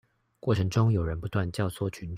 過程中有人不斷教唆群眾